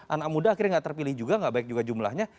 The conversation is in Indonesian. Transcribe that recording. anak muda akhirnya nggak terpilih juga gak baik juga jumlahnya